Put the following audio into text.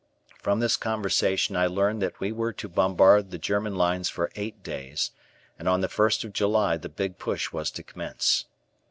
From this conversation I learned that we were to bombard the German lines for eight days, and on the first of July the "Big Push" was to commence.